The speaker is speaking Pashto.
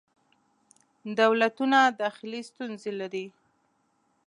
دولتونه داخلې ستونزې لري.